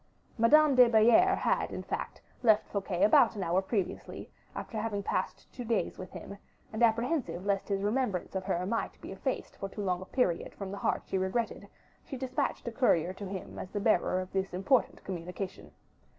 Madame de Belliere had, in fact, left Fouquet about an hour previously, after having passed two days with him; and apprehensive lest his remembrance of her might be effaced for too long a period from the heart she regretted, she dispatched a courier to him as the bearer of this important communication.